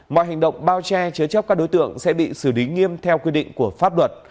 mọi hành động bao che chứa chấp các đối tượng sẽ bị xử lý nghiêm theo quy định của pháp luật